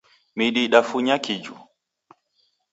Midi idafunya kiju.